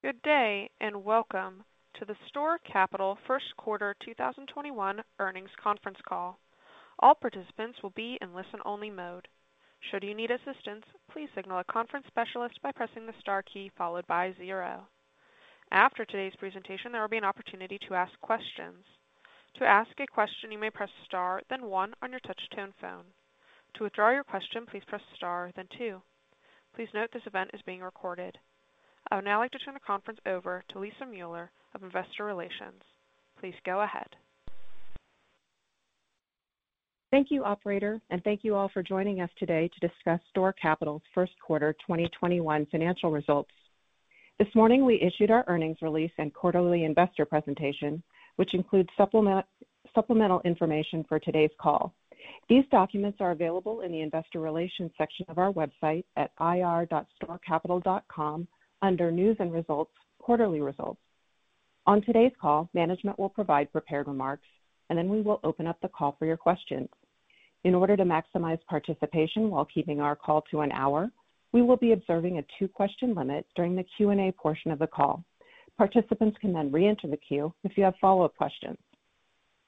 Good day, and welcome to the STORE Capital Q1 2021 Earnings Conference Call. I would now like to turn the conference over to Lisa Mueller of Investor Relations. Please go ahead. Thank you, operator, and thank you all for joining us today to discuss STORE Capital's Q1 2021 financial results. This morning, we issued our earnings release and quarterly investor presentation, which includes supplemental information for today's call. These documents are available in the investor relations section of our website at ir.storecapital.com under News and Results, Quarterly Results. On today's call, management will provide prepared remarks, and then we will open up the call for your questions. In order to maximize participation while keeping our call to an hour, we will be observing a two-question limit during the Q&A portion of the call. Participants can then reenter the queue if you have follow-up questions.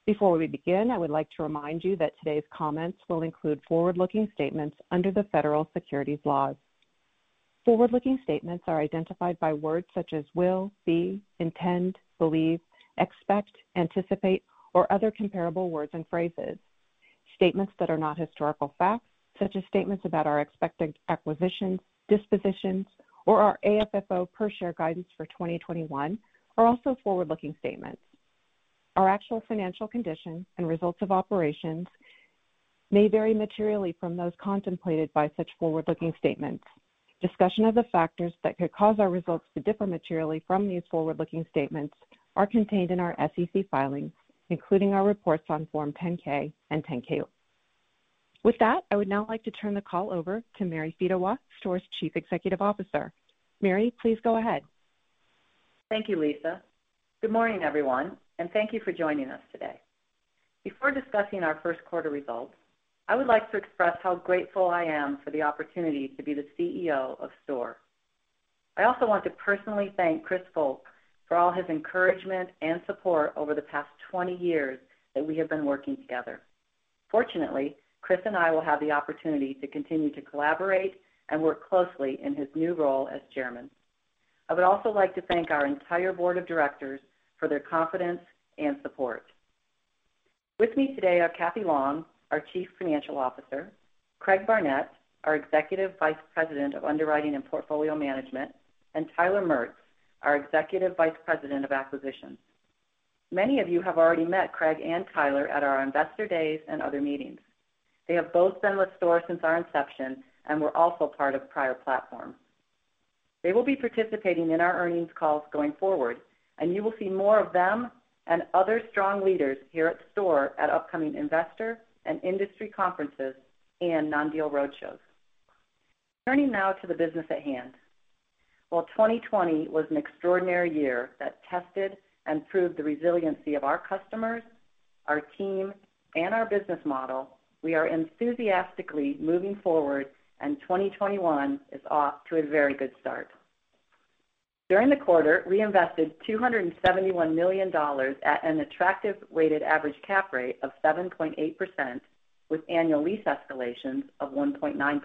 Before we begin, I would like to remind you that today's comments will include forward-looking statements under the federal securities laws. Forward-looking statements are identified by words such as will, be, intend, believe, expect, anticipate, or other comparable words and phrases. Statements that are not historical facts, such as statements about our expected acquisitions, dispositions, or our AFFO per share guidance for 2021 are also forward-looking statements. Our actual financial condition and results of operations may vary materially from those contemplated by such forward-looking statements. Discussion of the factors that could cause our results to differ materially from these forward-looking statements are contained in our SEC filings, including our reports on Form 10-K and 10-Q. With that, I would now like to turn the call over to Mary Fedewa, STORE's Chief Executive Officer. Mary, please go ahead. Thank you, Lisa. Good morning, everyone, and thank you for joining us today. Before discussing our Q1 results, I would like to express how grateful I am for the opportunity to be the CEO of STORE. I also want to personally thank Christopher Volk for all his encouragement and support over the past 20 years that we have been working together. Fortunately, Chris and I will have the opportunity to continue to collaborate and work closely in his new role as chairman. I would also like to thank our entire board of directors for their confidence and support. With me today are Cathy Long, our Chief Financial Officer, Craig Barnett, our Executive Vice President of Underwriting and Portfolio Management, and Tyler Maertz, our Executive Vice President of Acquisitions. Many of you have already met Craig and Tyler at our investor days and other meetings. They have both been with STORE since our inception and were also part of prior platforms. They will be participating in our earnings calls going forward, and you will see more of them and other strong leaders here at STORE at upcoming investor and industry conferences and non-deal roadshows. Turning now to the business at hand. While 2020 was an extraordinary year that tested and proved the resiliency of our customers, our team, and our business model, we are enthusiastically moving forward, and 2021 is off to a very good start. During the quarter, we invested $271 million at an attractive weighted average cap rate of 7.8%, with annual lease escalations of 1.9%.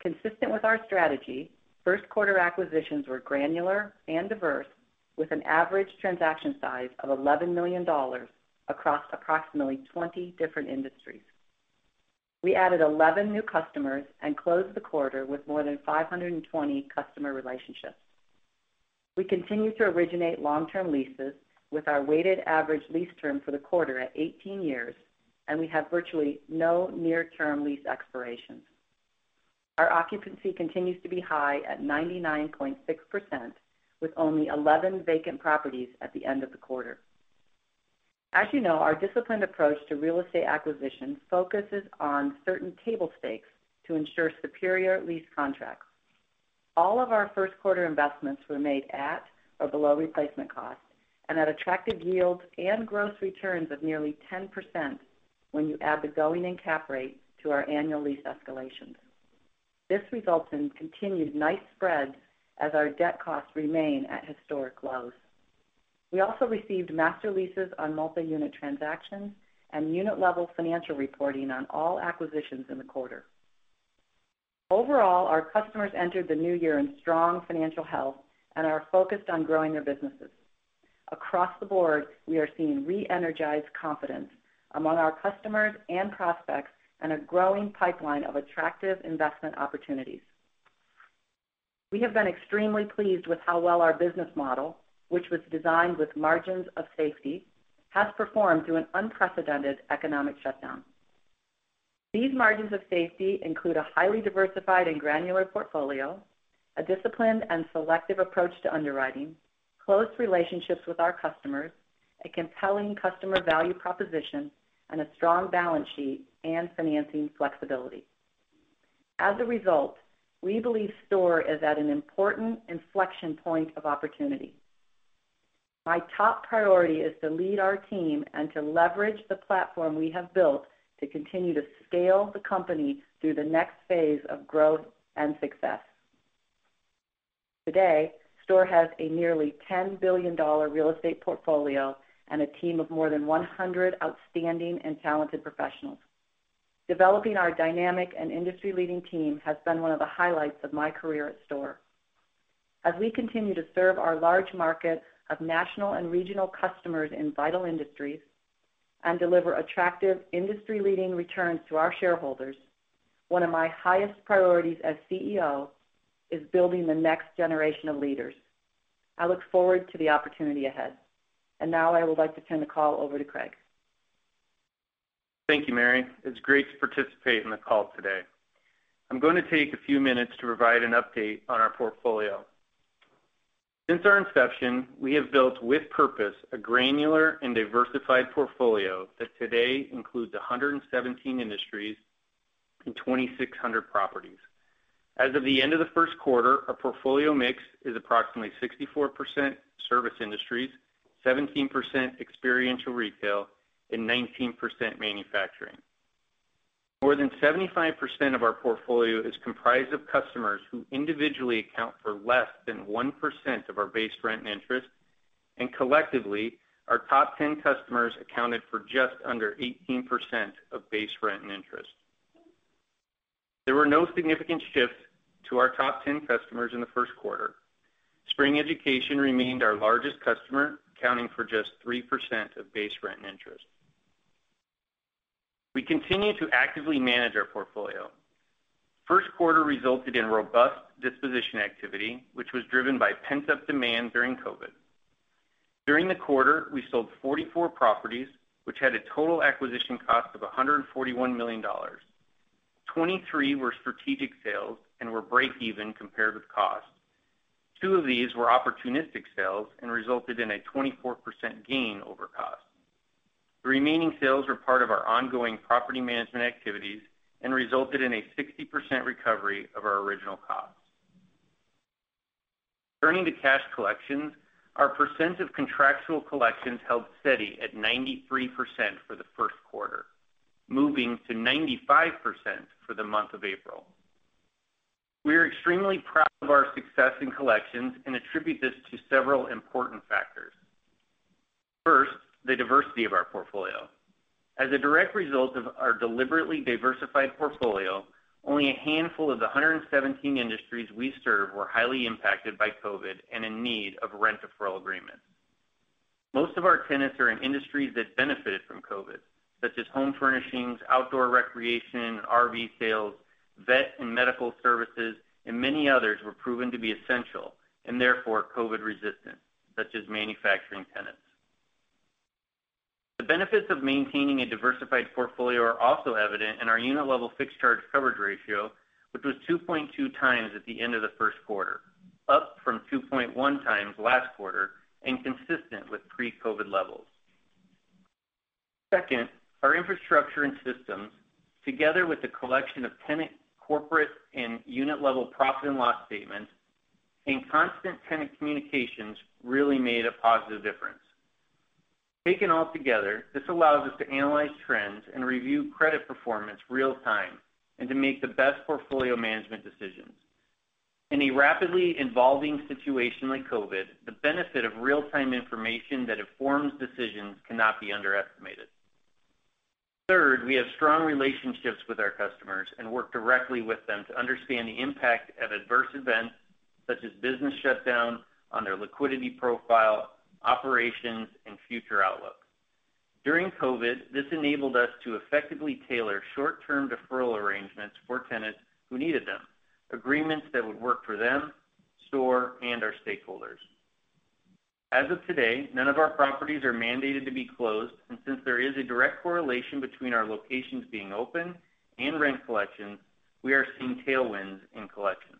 Consistent with our strategy, Q1 acquisitions were granular and diverse, with an average transaction size of $11 million across approximately 20 different industries. We added 11 new customers and closed the quarter with more than 520 customer relationships. We continue to originate long-term leases with our weighted average lease term for the quarter at 18 years, and we have virtually no near-term lease expirations. Our occupancy continues to be high at 99.6%, with only 11 vacant properties at the end of the quarter. As you know, our disciplined approach to real estate acquisition focuses on certain table stakes to ensure superior lease contracts. All of our Q1 investments were made at or below replacement cost and at attractive yields and gross returns of nearly 10% when you add the going-in cap rate to our annual lease escalations. This results in continued nice spreads as our debt costs remain at historic lows. We also received master leases on multi-unit transactions and unit-level financial reporting on all acquisitions in the quarter. Overall, our customers entered the new year in strong financial health and are focused on growing their businesses. Across the board, we are seeing re-energized confidence among our customers and prospects and a growing pipeline of attractive investment opportunities. We have been extremely pleased with how well our business model, which was designed with margins of safety, has performed through an unprecedented economic shutdown. These margins of safety include a highly diversified and granular portfolio, a disciplined and selective approach to underwriting, close relationships with our customers, a compelling customer value proposition, and a strong balance sheet and financing flexibility. As a result, we believe STORE is at an important inflection point of opportunity. My top priority is to lead our team and to leverage the platform we have built to continue to scale the company through the next phase of growth and success. Today, STORE has a nearly $10 billion real estate portfolio and a team of more than 100 outstanding and talented professionals. Developing our dynamic and industry-leading team has been one of the highlights of my career at STORE. As we continue to serve our large market of national and regional customers in vital industries and deliver attractive industry-leading returns to our shareholders, one of my highest priorities as CEO is building the next generation of leaders. I look forward to the opportunity ahead. I would like to turn the call over to Craig. Thank you, Mary. It's great to participate in the call today. I'm going to take a few minutes to provide an update on our portfolio. Since our inception, we have built with purpose a granular and diversified portfolio that today includes 117 industries and 2,600 properties. As of the end of the Q1, our portfolio mix is approximately 64% service industries, 17% experiential retail, and 19% manufacturing. More than 75% of our portfolio is comprised of customers who individually account for less than 1% of our base rent and interest, and collectively, our top 10 customers accounted for just under 18% of base rent and interest. There were no significant shifts to our top 10 customers in the Q1. Spring Education remained our largest customer, accounting for just 3% of base rent and interest. We continue to actively manage our portfolio. Q1 resulted in robust disposition activity, which was driven by pent-up demand during COVID. During the quarter, we sold 44 properties, which had a total acquisition cost of $141 million. 23 were strategic sales and were break even compared with cost. Two of these were opportunistic sales and resulted in a 24% gain over cost. The remaining sales were part of our ongoing property management activities and resulted in a 60% recovery of our original cost. Turning to cash collections, our percent of contractual collections held steady at 93% for the Q1, moving to 95% for the month of April. We are extremely proud of our success in collections and attribute this to several important factors. First, the diversity of our portfolio. As a direct result of our deliberately diversified portfolio, only a handful of the 117 industries we serve were highly impacted by COVID and in need of rent deferral agreements. Most of our tenants are in industries that benefited from COVID, such as home furnishings, outdoor recreation, RV sales, vet and medical services, and many others were proven to be essential, and therefore COVID resistant, such as manufacturing tenants. The benefits of maintaining a diversified portfolio are also evident in our unit level fixed charge coverage ratio, which was 2.2 times at the end of the Q1, up from 2.1 times last quarter and consistent with pre-COVID levels. Second, our infrastructure and systems, together with the collection of tenant, corporate, and unit level profit and loss statements and constant tenant communications really made a positive difference. Taken all together, this allows us to analyze trends and review credit performance real time and to make the best portfolio management decisions. In a rapidly evolving situation like COVID, the benefit of real-time information that informs decisions cannot be underestimated. Third, we have strong relationships with our customers and work directly with them to understand the impact of adverse events, such as business shutdown on their liquidity profile, operations, and future outlook. During COVID, this enabled us to effectively tailor short-term deferral arrangements for tenants who needed them, agreements that would work for them, STORE, and our stakeholders. As of today, none of our properties are mandated to be closed, and since there is a direct correlation between our locations being open and rent collection, we are seeing tailwinds in collections.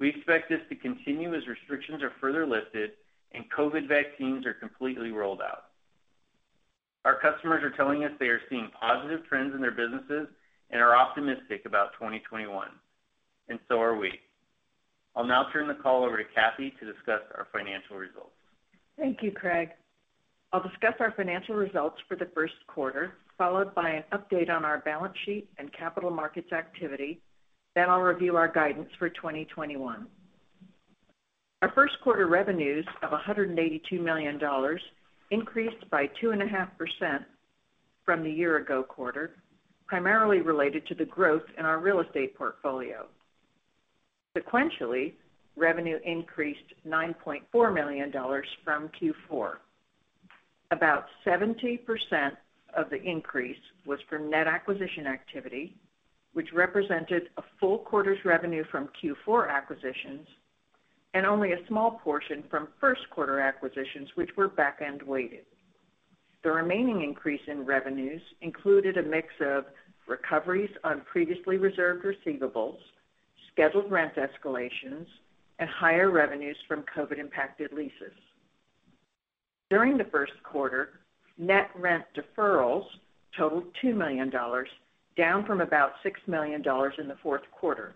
We expect this to continue as restrictions are further lifted and COVID vaccines are completely rolled out. Our customers are telling us they are seeing positive trends in their businesses and are optimistic about 2021, and so are we. I'll now turn the call over to Cathy to discuss our financial results. Thank you, Craig. I'll discuss our financial results for the Q1, followed by an update on our balance sheet and capital markets activity. I'll review our guidance for 2021. Our Q1 revenues of $182 million increased by 2.5% from the year-ago quarter, primarily related to the growth in our real estate portfolio. Sequentially, revenue increased $9.4 million from Q4. About 70% of the increase was from net acquisition activity, which represented a full quarter's revenue from Q4 acquisitions and only a small portion from Q1 acquisitions, which were back-end weighted. The remaining increase in revenues included a mix of recoveries on previously reserved receivables, scheduled rent escalations, and higher revenues from COVID-impacted leases. During the Q1, net rent deferrals totaled $2 million, down from about $6 million in the Q4.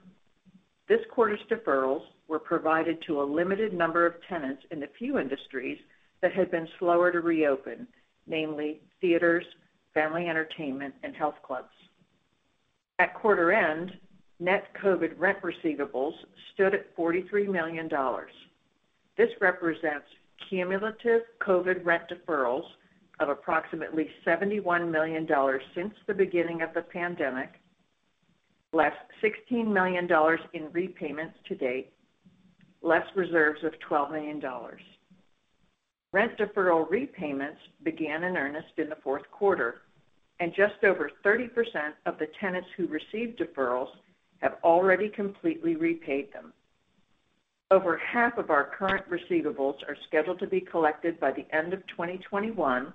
This quarter's deferrals were provided to a limited number of tenants in the few industries that had been slower to reopen, namely theaters, family entertainment, and health clubs. At quarter end, net COVID rent receivables stood at $43 million. This represents cumulative COVID rent deferrals of approximately $71 million since the beginning of the pandemic, less $16 million in repayments to date, less reserves of $12 million. Rent deferral repayments began in earnest in the Q4, and just over 30% of the tenants who received deferrals have already completely repaid them. Over half of our current receivables are scheduled to be collected by the end of 2021,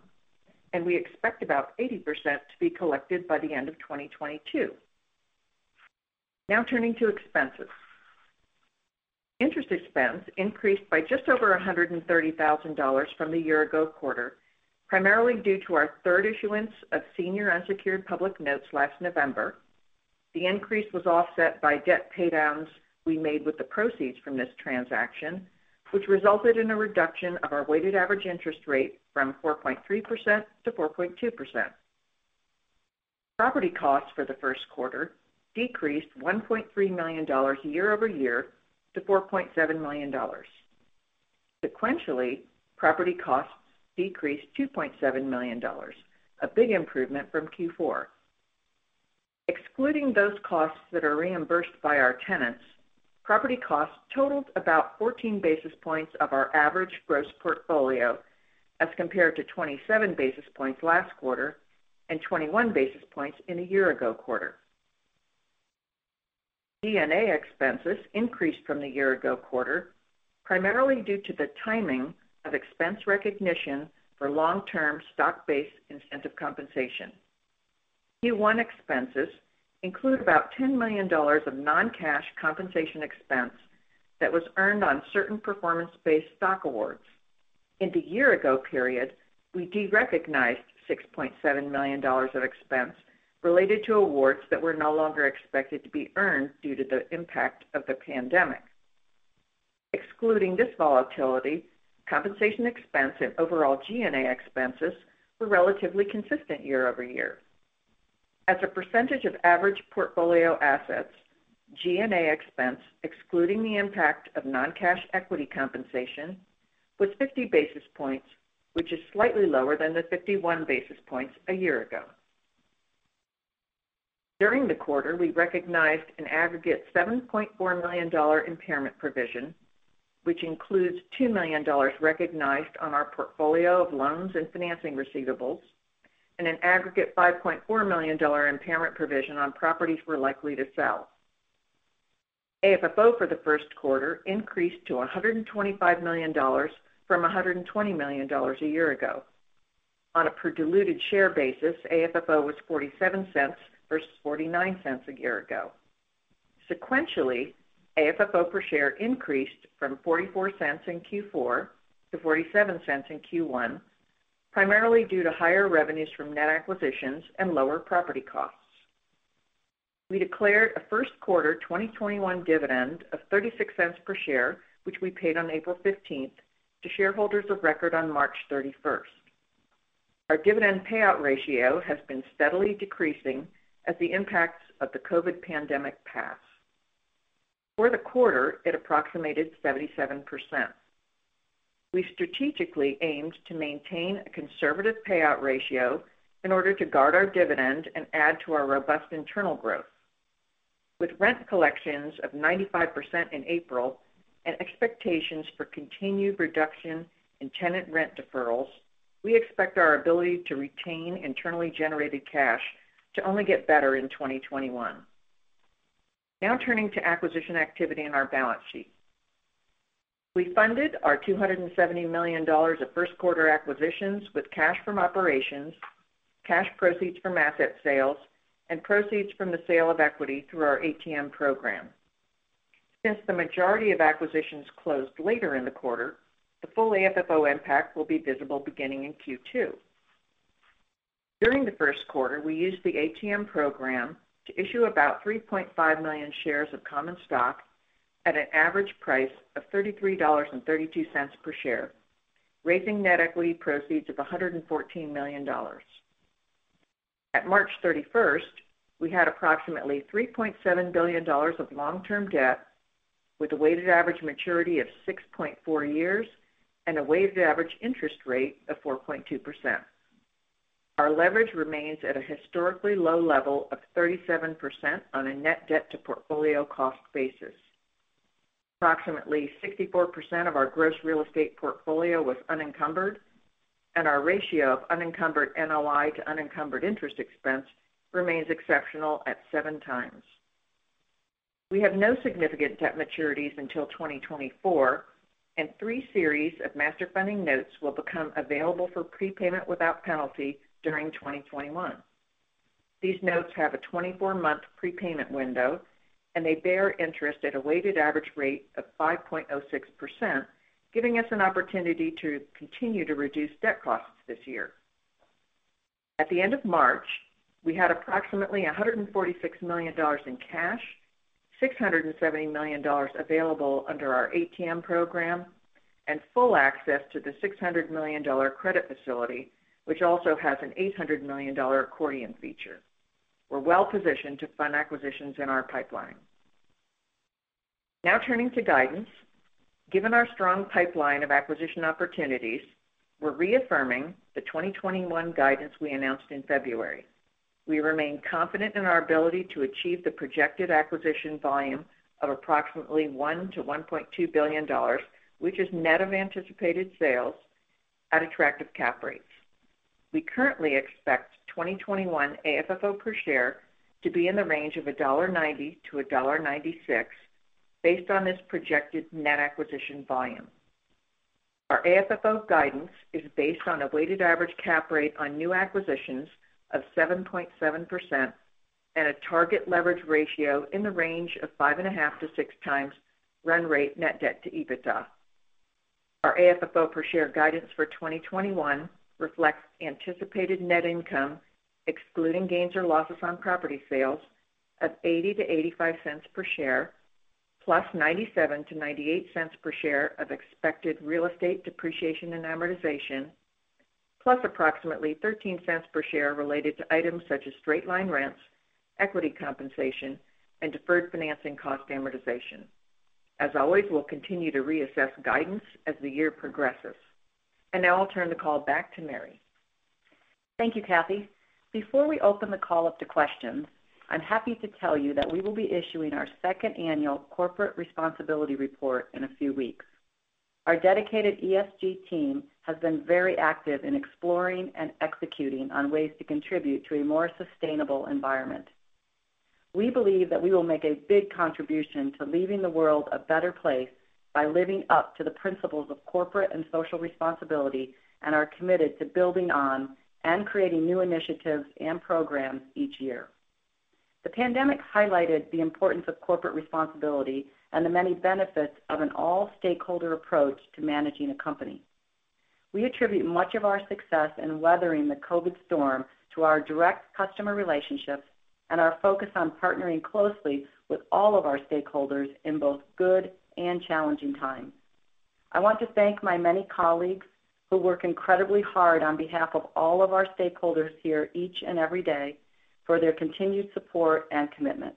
and we expect about 80% to be collected by the end of 2022. Turning to expenses. Interest expense increased by just over $130,000 from the year ago quarter, primarily due to our third issuance of senior unsecured public notes last November. The increase was offset by debt paydowns we made with the proceeds from this transaction, which resulted in a reduction of our weighted average interest rate from 4.3%-4.2%. Property costs for the Q1 decreased $1.3 million year-over-year to $4.7 million. Sequentially, property costs decreased $2.7 million, a big improvement from Q4. Excluding those costs that are reimbursed by our tenants, property costs totaled about 14 basis points of our average gross portfolio, as compared to 27 basis points last quarter and 21 basis points in the year ago quarter. G&A expenses increased from the year ago quarter, primarily due to the timing of expense recognition for long-term stock-based incentive compensation. Q1 expenses include about $10 million of non-cash compensation expense that was earned on certain performance-based stock awards. In the year-ago period, we derecognized $6.7 million of expense related to awards that were no longer expected to be earned due to the impact of the pandemic. Excluding this volatility, compensation expense and overall G&A expenses were relatively consistent year-over-year. As a percentage of average portfolio assets, G&A expense, excluding the impact of non-cash equity compensation, was 50 basis points, which is slightly lower than the 51 basis points a year ago. During the quarter, we recognized an aggregate $7.4 million impairment provision, which includes $2 million recognized on our portfolio of loans and financing receivables, and an aggregate $5.4 million impairment provision on properties we're likely to sell. AFFO for the Q1 increased to $125 million from $120 million a year ago. On a per diluted share basis, AFFO was $0.47 versus $0.49 a year ago. Sequentially, AFFO per share increased from $0.44 in Q4 to $0.47 in Q1, primarily due to higher revenues from net acquisitions and lower property costs. We declared a Q1 2021 dividend of $0.36 per share, which we paid on April 15th to shareholders of record on March 31st. Our dividend payout ratio has been steadily decreasing as the impacts of the COVID pandemic pass. For the quarter, it approximated 77%. We strategically aimed to maintain a conservative payout ratio in order to guard our dividend and add to our robust internal growth. With rent collections of 95% in April and expectations for continued reduction in tenant rent deferrals, we expect our ability to retain internally generated cash to only get better in 2021. Now turning to acquisition activity in our balance sheet. We funded our $270 million of Q1 acquisitions with cash from operations, cash proceeds from asset sales, and proceeds from the sale of equity through our ATM program. Since the majority of acquisitions closed later in the quarter, the full AFFO impact will be visible beginning in Q2. During the Q1, we used the ATM program to issue about 3.5 million shares of common stock at an average price of $33.32 per share, raising net equity proceeds of $114 million. At March 31st, we had approximately $3.7 billion of long-term debt with a weighted average maturity of 6.4 years and a weighted average interest rate of 4.2%. Our leverage remains at a historically low level of 37% on a net debt to portfolio cost basis. Approximately 64% of our gross real estate portfolio was unencumbered, and our ratio of unencumbered NOI to unencumbered interest expense remains exceptional at seven times. We have no significant debt maturities until 2024, and three series of master funding notes will become available for prepayment without penalty during 2021. These notes have a 24-month prepayment window, and they bear interest at a weighted average rate of 5.06%, giving us an opportunity to continue to reduce debt costs this year. At the end of March, we had approximately $146 million in cash, $670 million available under our ATM program, and full access to the $600 million credit facility, which also has an $800 million accordion feature. We're well-positioned to fund acquisitions in our pipeline. Now turning to guidance. Given our strong pipeline of acquisition opportunities, we're reaffirming the 2021 guidance we announced in February. We remain confident in our ability to achieve the projected acquisition volume of approximately $1 billion-$1.2 billion, which is net of anticipated sales at attractive cap rates. We currently expect 2021 AFFO per share to be in the range of $1.90-$1.96 based on this projected net acquisition volume. Our AFFO guidance is based on a weighted average cap rate on new acquisitions of 7.7% and a target leverage ratio in the range of 5.5-6 times run rate net debt to EBITDA. Our AFFO per share guidance for 2021 reflects anticipated net income, excluding gains or losses on property sales, of $0.80-$0.85 per share, plus $0.97-$0.98 per share of expected real estate depreciation and amortization, plus approximately $0.13 per share related to items such as straight line rents, equity compensation, and deferred financing cost amortization. As always, we'll continue to reassess guidance as the year progresses. Now I'll turn the call back to Mary. Thank you, Cathy. Before we open the call up to questions, I'm happy to tell you that we will be issuing our second annual Corporate Responsibility Report in a few weeks. Our dedicated ESG team has been very active in exploring and executing on ways to contribute to a more sustainable environment. We believe that we will make a big contribution to leaving the world a better place by living up to the principles of corporate and social responsibility, and are committed to building on and creating new initiatives and programs each year. The pandemic highlighted the importance of corporate responsibility and the many benefits of an all-stakeholder approach to managing a company. We attribute much of our success in weathering the COVID storm to our direct customer relationships and our focus on partnering closely with all of our stakeholders in both good and challenging times. I want to thank my many colleagues who work incredibly hard on behalf of all of our stakeholders here each and every day, for their continued support and commitment.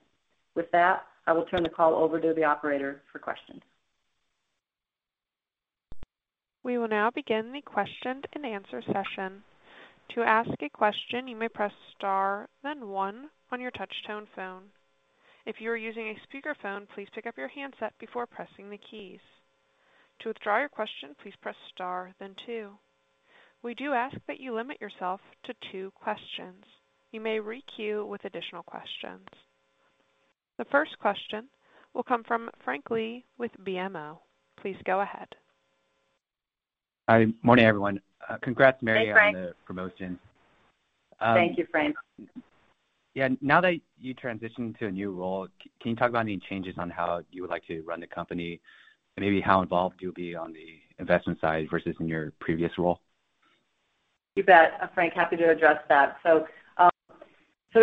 With that, I will turn the call over to the operator for questions. We will now begin the question and answer session. To ask a question, you may press star then one on your touch tone phone. If you are using a speakerphone, please pick up your handset before pressing the keys. To withdraw your question, please press star then two. We do ask that you limit yourself to two questions. You may re-queue with additional questions. The first question will come from Frank Lee with BMO. Please go ahead. Hi. Morning, everyone. Congrats, Mary. Hey, Frank. on the promotion. Thank you, Frank. Now that you transitioned to a new role, can you talk about any changes on how you would like to run the company, and maybe how involved you'll be on the investment side versus in your previous role? You bet, Frank. Happy to address that.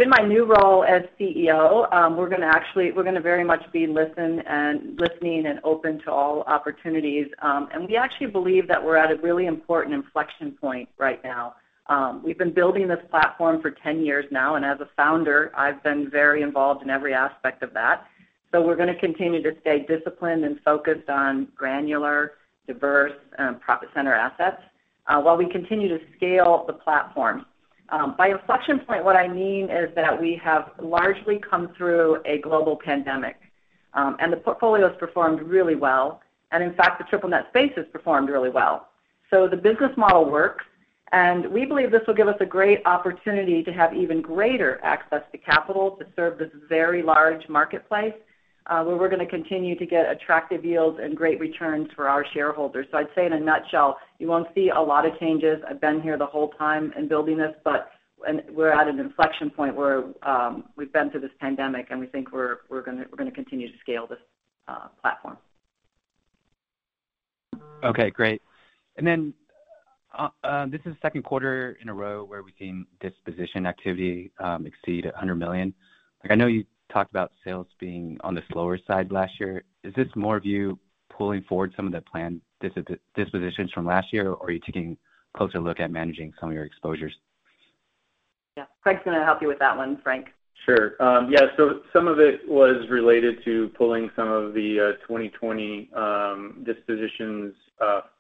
In my new role as CEO, we're going to very much be listening and open to all opportunities. We actually believe that we're at a really important inflection point right now. We've been building this platform for 10 years now, and as a founder, I've been very involved in every aspect of that. We're going to continue to stay disciplined and focused on granular, diverse, profit center assets, while we continue to scale the platform. By inflection point, what I mean is that we have largely come through a global pandemic. The portfolio's performed really well. In fact, the triple net space has performed really well. The business model works, and we believe this will give us a great opportunity to have even greater access to capital to serve this very large marketplace, where we're going to continue to get attractive yields and great returns for our shareholders. I'd say in a nutshell, you won't see a lot of changes. I've been here the whole time and building this, but we're at an inflection point where we've been through this pandemic, and we think we're going to continue to scale this platform. Okay, great. This is the Q2 in a row where we've seen disposition activity exceed $100 million. I know you talked about sales being on the slower side last year. Is this more of you pulling forward some of the planned dispositions from last year, or are you taking a closer look at managing some of your exposures? Yeah. Craig's going to help you with that one, Frank. Sure. Yeah, some of it was related to pulling some of the 2020 dispositions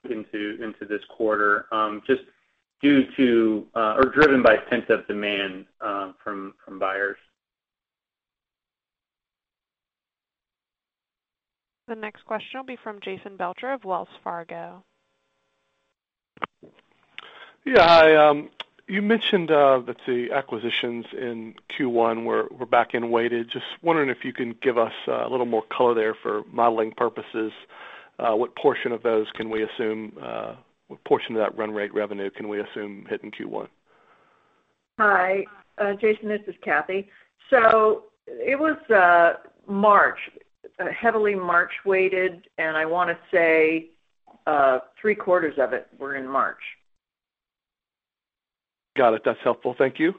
into this quarter, driven by pent-up demand from buyers. The next question will be from Jason Belcher of Wells Fargo. Hi. You mentioned that the acquisitions in Q1 were back-end weighted. Just wondering if you can give us a little more color there for modeling purposes? What portion of that run rate revenue can we assume hit in Q1? Hi, Jason, this is Cathy. It was March. Heavily March weighted, I want to say three quarters of it were in March. Got it. That's helpful. Thank you.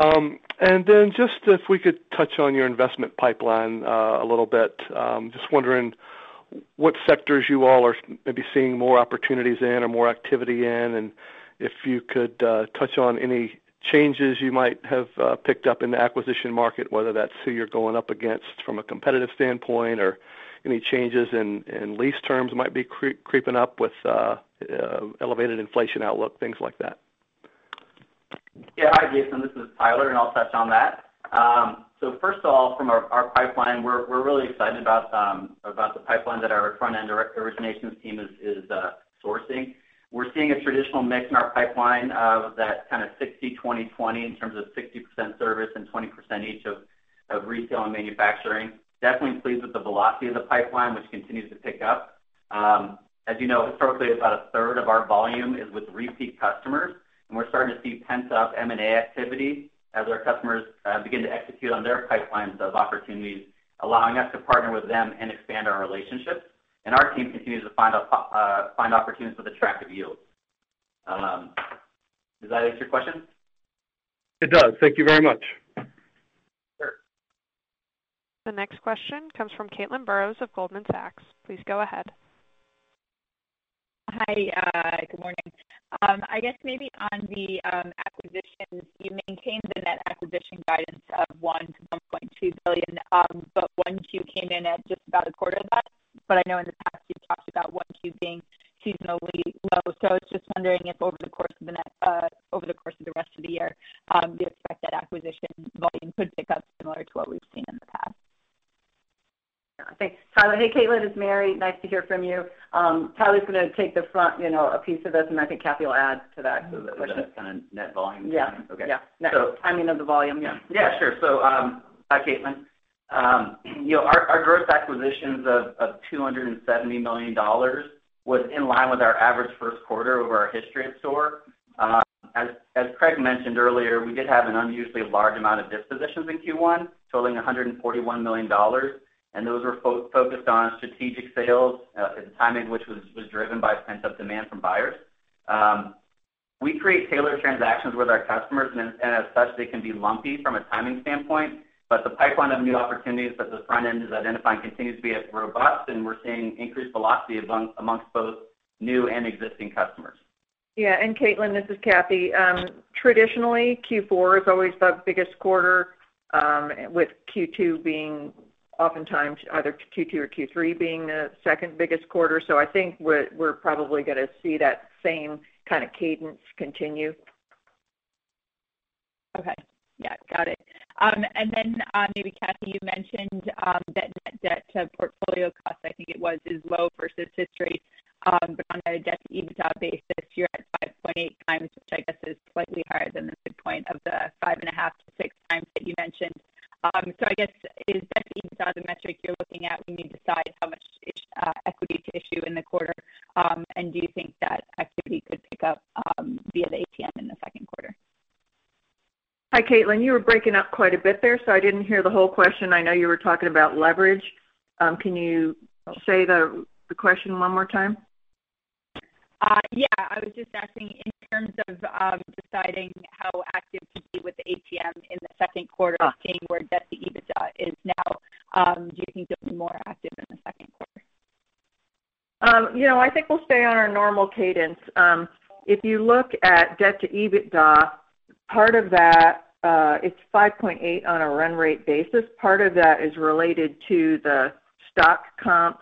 Just if we could touch on your investment pipeline a little bit. Just wondering what sectors you all are maybe seeing more opportunities in or more activity in, and if you could touch on any changes you might have picked up in the acquisition market, whether that's who you're going up against from a competitive standpoint or any changes in lease terms might be creeping up with elevated inflation outlook, things like that. Hi, Jason. This is Tyler. I'll touch on that. First of all, from our pipeline, we're really excited about the pipeline that our front-end originations team is sourcing. We're seeing a traditional mix in our pipeline of that kind of 60/20/20 in terms of 60% service and 20% each of retail and manufacturing. Definitely pleased with the velocity of the pipeline, which continues to pick up. As you know, historically, about a third of our volume is with repeat customers. We're starting to see pent-up M&A activity as our customers begin to execute on their pipelines of opportunities, allowing us to partner with them and expand our relationships. Our team continues to find opportunities with attractive yields. Does that answer your question? It does. Thank you very much. Sure. The next question comes from Caitlin Burrows of Goldman Sachs. Please go ahead. Hi. Good morning. I guess maybe on the acquisitions, you maintained the net acquisition guidance of $1 billion-$1.2 billion. When Q1 came in at just about a quarter of that, I know in the past you've talked about Q1 being seasonally low. I was just wondering if over the course of the rest of the year, do you expect that acquisition volume could pick up similar to what we've seen in the past? Thanks, Tyler. Hey, Caitlin, it's Mary. Nice to hear from you. Tyler's going to take the front-end piece of this, and I think Cathy will add to that. The net volume? Yeah. Okay. Yeah. Timing of the volume. Sure. Hi, Caitlin. Our gross acquisitions of $270 million was in line with our average Q1 over our history at STORE. As Craig mentioned earlier, we did have an unusually large amount of dispositions in Q1 totaling $141 million, and those were focused on strategic sales, the timing which was driven by pent-up demand from buyers. We create tailored transactions with our customers, and as such, they can be lumpy from a timing standpoint. The pipeline of new opportunities that the front end is identifying continues to be as robust, and we're seeing increased velocity amongst both new and existing customers. Yeah. Caitlin, this is Cathy. Traditionally, Q4 is always the biggest quarter, with oftentimes either Q2 or Q3 being the second biggest quarter. I think we're probably going to see that same kind of cadence continue. Okay. Yeah, got it. Maybe Cathy, you mentioned that net debt to portfolio cost, I think it was, is low versus history. On a debt-to-EBITDA basis, you're at 5.8 times, which is slightly higher than the midpoint of the 5.5-6 times that you mentioned. Is debt-to-EBITDA the metric you're looking at when you decide how much equity to issue in the quarter? Do you think that activity could pick up via the ATM in the Q2? Hi, Caitlin. You were breaking up quite a bit there, so I didn't hear the whole question. I know you were talking about leverage. Can you say the question one more time? Yeah. I was just asking in terms of deciding how active to be with the ATM in the Q2, seeing where debt-to-EBITDA is now. Do you think you'll be more active in the Q2? I think we'll stay on our normal cadence. If you look at debt-to-EBITDA, part of that, it's 5.8 on a run rate basis. Part of that is related to the stock comp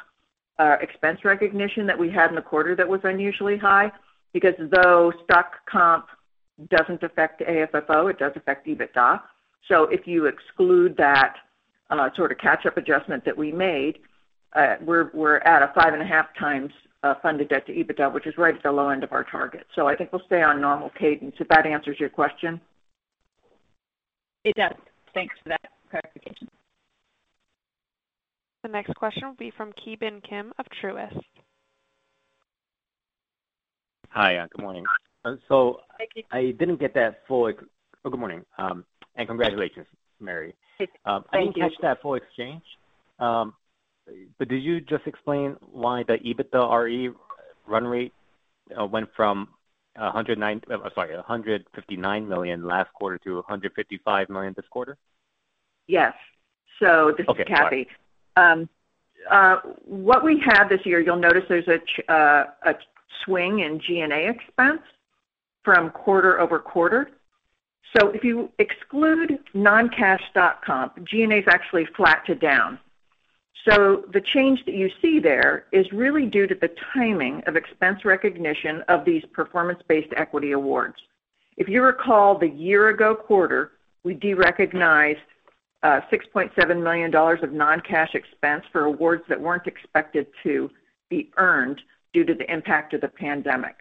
expense recognition that we had in the quarter that was unusually high. Because though stock comp doesn't affect AFFO, it does affect EBITDA. If you exclude that sort of catch-up adjustment that we made, we're at a 5.5 times funded debt-to-EBITDA, which is right at the low end of our target. I think we'll stay on normal cadence, if that answers your question. It does. Thanks for that clarification. The next question will be from Ki Bin Kim of Truist. Hi. Good morning. Hi, Ki Bin. Good morning. Congratulations, Mary. Thank you. I didn't catch that full exchange. Did you just explain why the EBITDAre run rate went from $159 million last quarter to $155 million this quarter? Yes. This is Cathy. Okay, got it. What we have this year, you'll notice there's a swing in G&A expense from quarter-over-quarter. If you exclude non-cash stock comp, G&A is actually flat to down. The change that you see there is really due to the timing of expense recognition of these performance-based equity awards. If you recall, the year ago quarter, we derecognized $6.7 million of non-cash expense for awards that weren't expected to be earned due to the impact of the pandemic.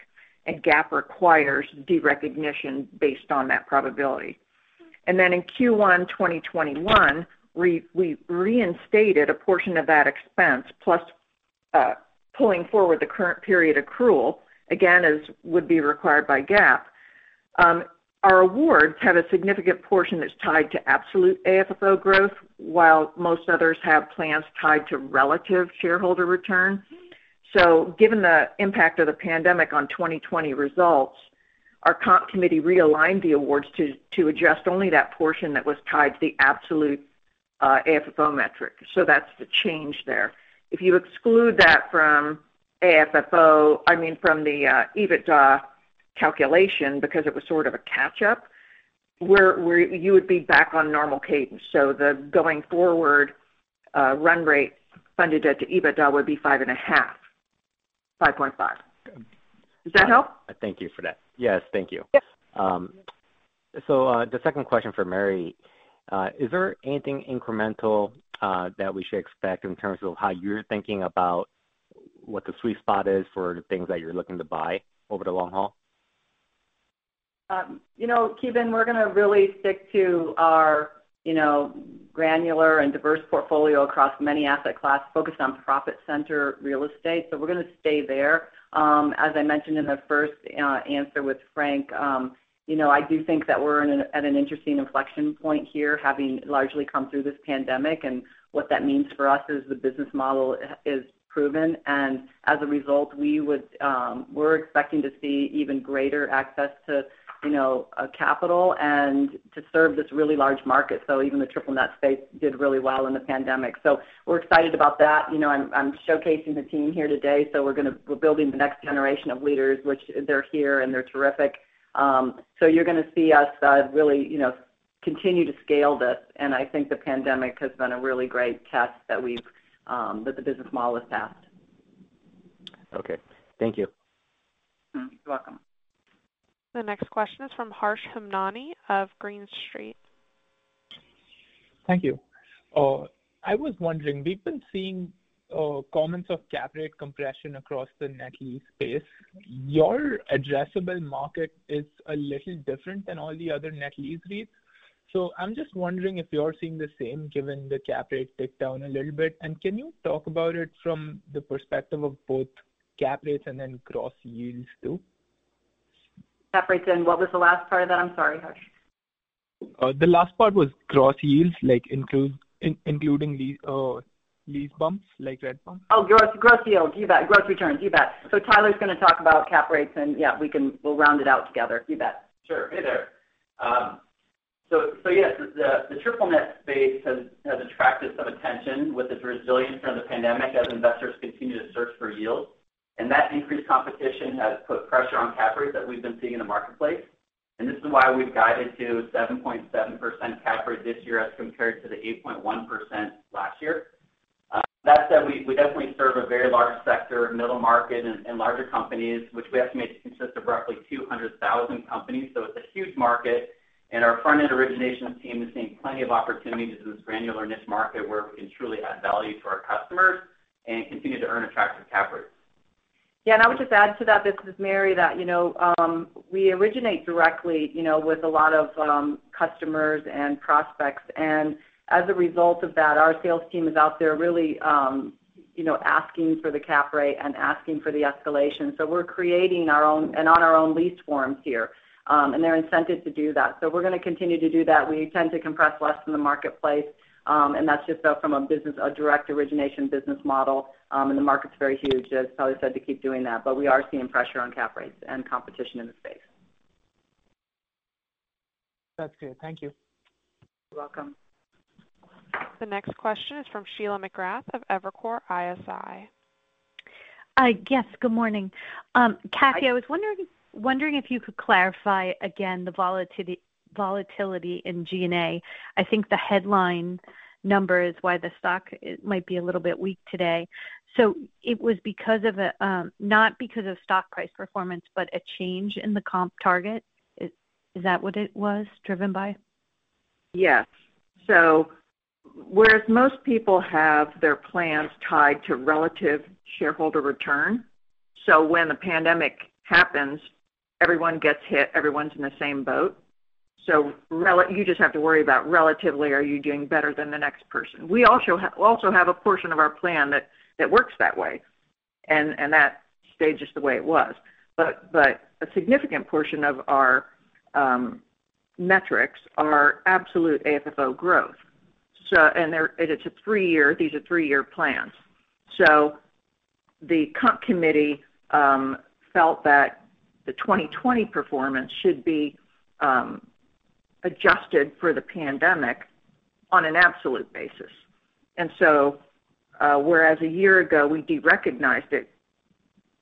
GAAP requires derecognition based on that probability. In Q1 2021, we reinstated a portion of that expense, plus pulling forward the current period accrual, again, as would be required by GAAP. Our awards have a significant portion that's tied to absolute AFFO growth, while most others have plans tied to relative shareholder return. Given the impact of the pandemic on 2020 results, our comp committee realigned the awards to adjust only that portion that was tied to the absolute AFFO metric. That's the change there. If you exclude that from the EBITDA calculation, because it was sort of a catch-up, where you would be back on normal cadence. The going forward run rate funded debt to EBITDA would be five and a half, 5.5. Does that help? Thank you for that. Yes, thank you. Yep. The second question for Mary. Is there anything incremental that we should expect in terms of how you're thinking about what the sweet spot is for the things that you're looking to buy over the long haul? You know, Ki Bin, we're going to really stick to our granular and diverse portfolio across many asset class, focused on profit center real estate. We're going to stay there. As I mentioned in the first answer with Frank, I do think that we're at an interesting inflection point here, having largely come through this pandemic, and what that means for us is the business model is proven, and as a result, we're expecting to see even greater access to capital and to serve this really large market. Even the triple net space did really well in the pandemic. We're excited about that. I'm showcasing the team here today, so we're building the next generation of leaders, which they're here, and they're terrific. You're going to see us really continue to scale this, and I think the pandemic has been a really great test that the business model has passed. Okay. Thank you. You're welcome. The next question is from Harsh Hemnani of Green Street. Thank you. I was wondering, we've been seeing comments of cap rate compression across the net lease space. Your addressable market is a little different than all the other net lease REITs. I'm just wondering if you're seeing the same, given the cap rate tick down a little bit, and can you talk about it from the perspective of both cap rates and then gross yields too? Cap rates, and what was the last part of that? I'm sorry, Harsh. The last part was gross yields, like including these lease bumps, like rent bumps. Oh, gross yields. You bet. Gross returns. You bet. Tyler's going to talk about cap rates, yeah, we'll round it out together. You bet. Sure. Hey there. Yes, the triple net space has attracted some attention with its resilience during the pandemic as investors continue to search for yield. That increased competition has put pressure on cap rates that we've been seeing in the marketplace, and this is why we've guided to 7.7% cap rate this year as compared to the 8.1% last year. That said, we definitely serve a very large sector, middle market and larger companies, which we estimate to consist of roughly 200,000 companies. It's a huge market, and our front-end origination team is seeing plenty of opportunities in this granular niche market where we can truly add value to our customers and continue to earn attractive cap rates. I would just add to that, this is Mary, that we originate directly with a lot of customers and prospects. As a result of that, our sales team is out there really asking for the cap rate and asking for the escalation. We're creating and on our own lease forms here, and they're incented to do that. We're going to continue to do that. We tend to compress less than the marketplace. That's just from a direct origination business model. The market's very huge, as Tyler said, to keep doing that. We are seeing pressure on cap rates and competition in the space. That's good. Thank you. You're welcome. The next question is from Sheila McGrath of Evercore ISI. Yes, good morning. Cathy, I was wondering if you could clarify again the volatility in G&A. I think the headline number is why the stock might be a little bit weak today. It was not because of stock price performance, but a change in the comp target. Is that what it was driven by? Yes. Whereas most people have their plans tied to relative shareholder return. When the pandemic happens, everyone gets hit, everyone's in the same boat. You just have to worry about relatively, are you doing better than the next person? We also have a portion of our plan that works that way. That stayed just the way it was. A significant portion of our metrics are absolute AFFO growth. These are three-year plans. The comp committee felt that the 2020 performance should be adjusted for the pandemic on an absolute basis. Whereas a year ago we derecognized it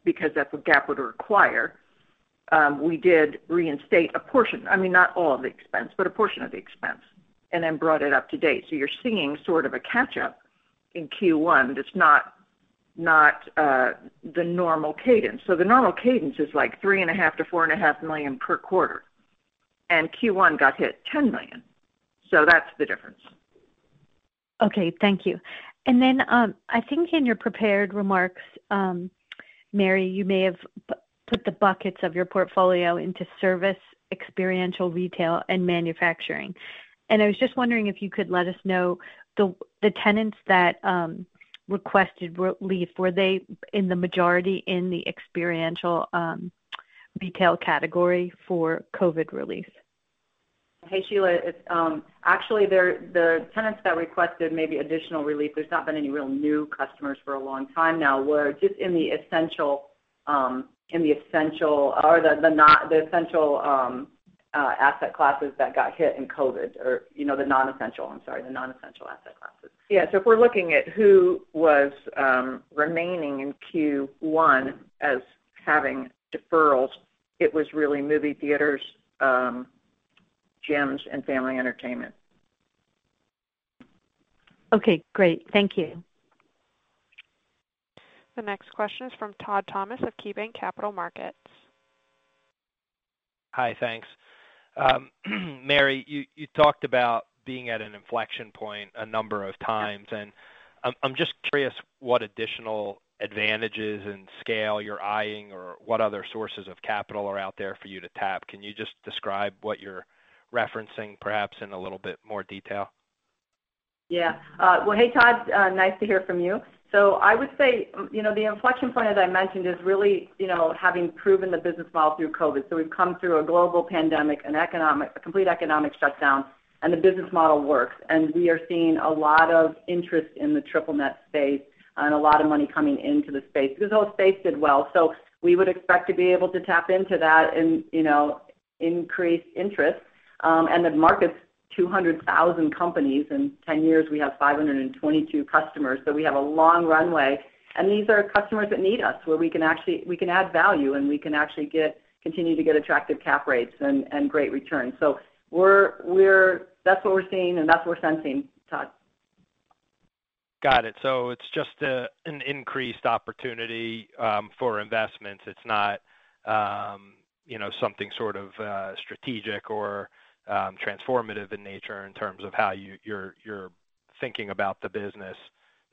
because that's what GAAP would require. We did reinstate a portion, not all of the expense, but a portion of the expense, and then brought it up to date. You're seeing sort of a catch-up in Q1 that's not the normal cadence. The normal cadence is like three and a half to four and a half million per quarter, and Q1 got hit $10 million. That's the difference. Okay, thank you. I think in your prepared remarks, Mary, you may have put the buckets of your portfolio into service, experiential retail, and manufacturing. I was just wondering if you could let us know the tenants that requested relief, were they in the majority in the experiential retail category for COVID relief? Hey, Sheila. Actually, the tenants that requested maybe additional relief, there's not been any real new customers for a long time now, were just in the essential asset classes that got hit in COVID. The non-essential, I'm sorry, the non-essential asset classes. If we're looking at who was remaining in Q1 as having deferrals, it was really movie theaters, gyms, and family entertainment. Okay, great. Thank you. The next question is from Todd Thomas of KeyBanc Capital Markets. Hi. Thanks. Mary, you talked about being at an inflection point a number of times, and I'm just curious what additional advantages and scale you're eyeing, or what other sources of capital are out there for you to tap. Can you just describe what you're referencing, perhaps in a little bit more detail? Well, hey, Todd. Nice to hear from you. I would say the inflection point, as I mentioned, is really having proven the business model through COVID. We've come through a global pandemic, a complete economic shutdown, and the business model works. We are seeing a lot of interest in the triple net space and a lot of money coming into the space because that space did well. We would expect to be able to tap into that and increase interest. The market's 200,000 companies. In 10 years, we have 522 customers. We have a long runway, and these are customers that need us, where we can add value and we can actually continue to get attractive cap rates and great returns. That's what we're seeing, and that's what we're sensing, Todd. Got it. It's just an increased opportunity for investments. It's not something sort of strategic or transformative in nature in terms of how you're thinking about the business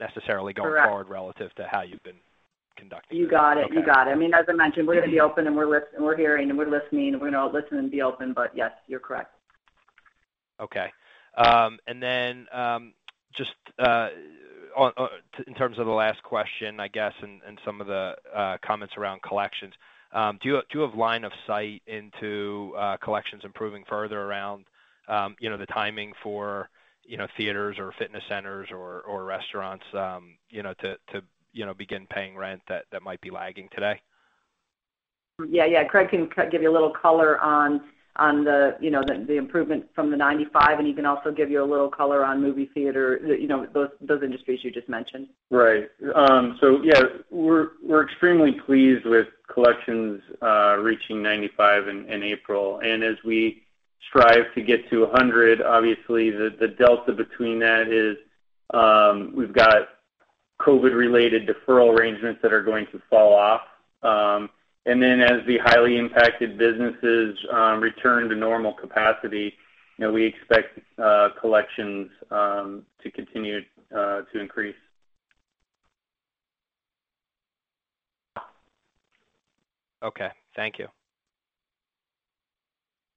necessarily going forward. Correct relative to how you've been conducting. You got it. Okay. You got it. As I mentioned, we're going to be open and we're listening, we're hearing and we're listening, and we're going to listen and be open. Yes, you're correct. Okay. Just in terms of the last question, I guess, and some of the comments around collections. Do you have line of sight into collections improving further around the timing for theaters or fitness centers or restaurants to begin paying rent that might be lagging today? Yeah. Craig can give you a little color on the improvement from the 95, and he can also give you a little color on movie theater, those industries you just mentioned. Right. Yeah, we're extremely pleased with collections reaching 95% in April. As we strive to get to 100%, obviously the delta between that is we've got COVID-related deferral arrangements that are going to fall off. As the highly impacted businesses return to normal capacity, we expect collections to continue to increase. Okay. Thank you.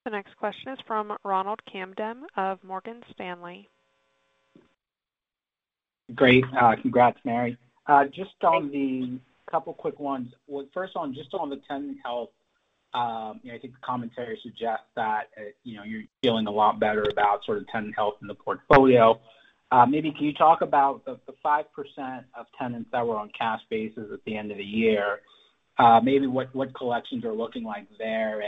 The next question is from Ronald Kamdem of Morgan Stanley. Great. Congrats, Mary. Thanks. Just couple quick ones. Well, first on, just on the tenant health, I think the commentary suggests that you're feeling a lot better about sort of tenant health in the portfolio. Maybe can you talk about the 5% of tenants that were on cash basis at the end of the year, maybe what collections are looking like there,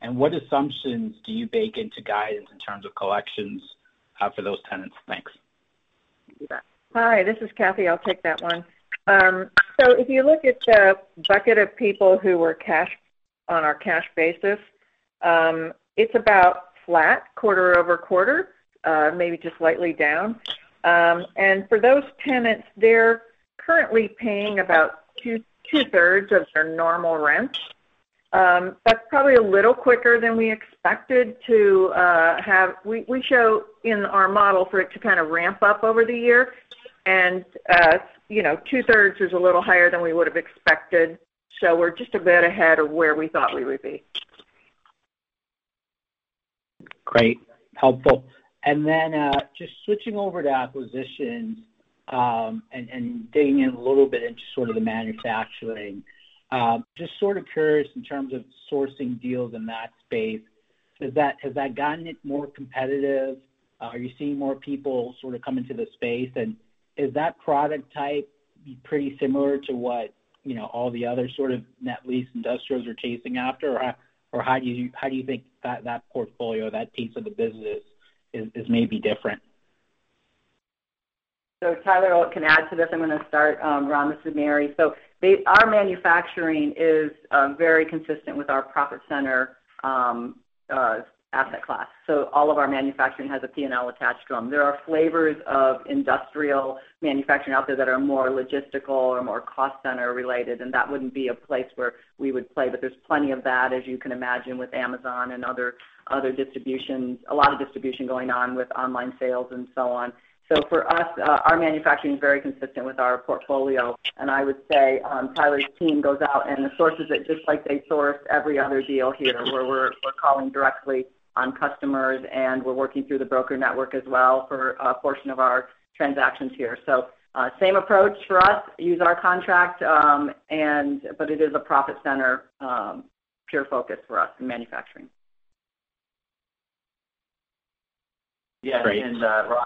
and what assumptions do you bake into guidance in terms of collections for those tenants? Thanks. Hi, this is Cathy. I'll take that one. If you look at the bucket of people who were on our cash basis, it's about flat quarter-over-quarter, maybe just slightly down. For those tenants, they're currently paying about two-thirds of their normal rent. That's probably a little quicker than we expected to have. We show in our model for it to kind of ramp up over the year, and two-thirds is a little higher than we would have expected. We're just a bit ahead of where we thought we would be. Great. Helpful. Just switching over to acquisitions, and digging in a little bit into sort of the manufacturing. Just sort of curious in terms of sourcing deals in that space. Has that gotten more competitive? Are you seeing more people sort of come into the space, and is that product type pretty similar to what all the other sort of net lease industrials are chasing after? How do you think that portfolio, that piece of the business is maybe different? Tyler can add to this. I'm going to start, Ron. This is Mary. Our manufacturing is very consistent with our profit center asset class. All of our manufacturing has a P&L attached to them. There are flavors of industrial manufacturing out there that are more logistical or more cost center related, and that wouldn't be a place where we would play. There's plenty of that, as you can imagine, with Amazon and other distribution. A lot of distribution going on with online sales and so on. For us, our manufacturing is very consistent with our portfolio. I would say Tyler's team goes out and sources it just like they source every other deal here, where we're calling directly on customers, and we're working through the broker network as well for a portion of our transactions here. Same approach for us. Use our contract, but it is a profit center pure focus for us in manufacturing. Yes. Ron,